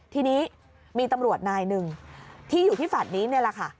ทีนี้มีตำรวจนายหนึ่งที่อยู่ที่แฟลต์นี้นี่แหละค่ะ